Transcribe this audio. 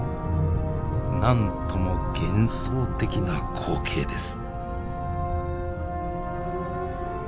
なんとも幻想的な光景です。